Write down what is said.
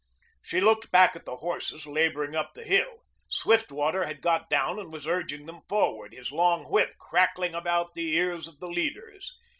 She looked back at the horses laboring up the hill. Swiftwater had got down and was urging them forward, his long whip crackling about the ears of the leaders.